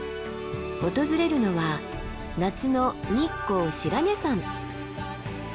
訪れるのは夏の日光白根山。